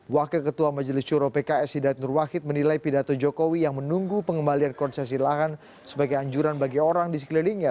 wakil ketua majelis juro pks hidayat nur wahid menilai pidato jokowi yang menunggu pengembalian konsesi lahan sebagai anjuran bagi orang di sekelilingnya